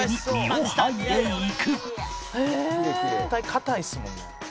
「絶対硬いですもんね」